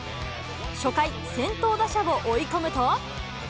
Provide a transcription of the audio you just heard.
初回、先頭打者を追い込むと。